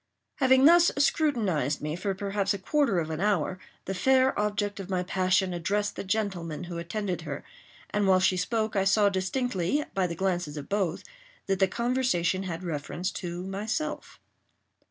Having thus scrutinized me for perhaps a quarter of an hour, the fair object of my passion addressed the gentleman who attended her, and while she spoke, I saw distinctly, by the glances of both, that the conversation had reference to myself.